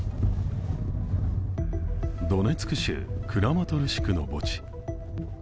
ドネツク州クラマトルシクの墓地。